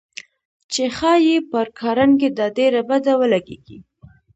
چې ښايي پر کارنګي دا ډېره بده ولګېږي.